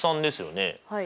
はい。